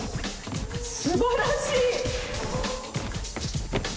すばらしい！